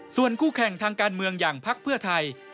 ส่วนคู่แข่งทางการเมืองอย่างพักเพื่อไทย